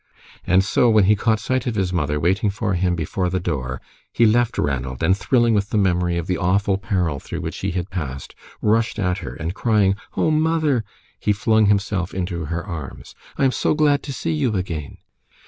And so, when he caught sight of his mother waiting for him before the door, he left Ranald, and thrilling with the memory of the awful peril through which he had passed, rushed at her, and crying, "Oh, mother!" he flung himself into her arms. "I am so glad to see you again!"